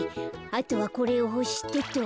あとはこれをほしてと。